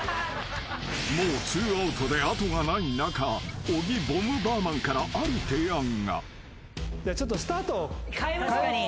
［もうツーアウトで後がない中小木ボムバーマンからある提案が］